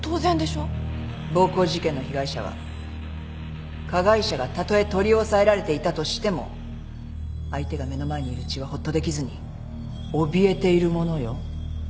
暴行事件の被害者は加害者がたとえ取り押さえられていたとしても相手が目の前にいるうちはほっとできずにおびえているものよ。